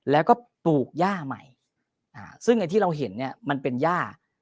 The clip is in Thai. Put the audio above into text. แล้วก็ปลูกย่าใหม่ซึ่งไอ้ที่เราเห็นเนี่ยมันเป็นย่า